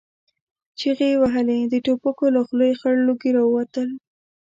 چيغې يې وهلې، د ټوپکو له خولو خړ لوګي را وتل.